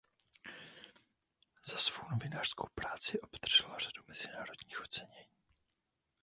Za svou novinářskou práci obdržela řadu mezinárodních ocenění.